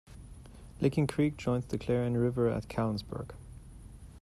Licking Creek joins the Clarion River at Callensburg.